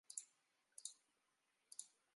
สายโด่